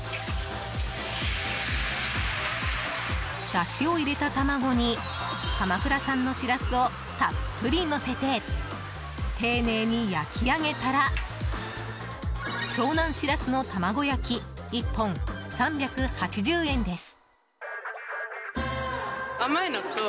だしを入れた卵に鎌倉産のシラスをたっぷりのせて丁寧に焼き上げたら湘南しらすの玉子焼き１本、３８０円です。